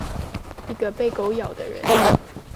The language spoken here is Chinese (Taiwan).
一個被狗咬的人